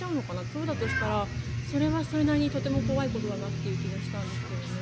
そうだとしたらそれはそれなりにとても怖いことだなという気がしたんですよね。